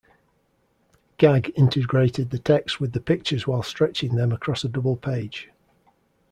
Gag integrated the text with the pictures while stretching them across a double page.